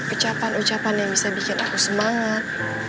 ucapan ucapan yang bisa bikin aku semangat